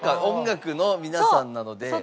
音楽の皆さんなので。